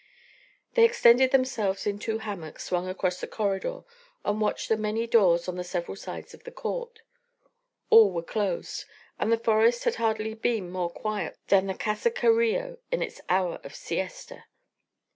They extended themselves in two hammocks swung across the corridor and watched the many doors on the several sides of the court. All were closed, and the forest had hardly been more quiet than the Casa Carillo in its hour of siesta.